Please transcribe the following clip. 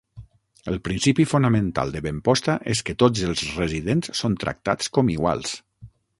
El principi fonamental de Benposta és que tots els residents són tractats com iguals.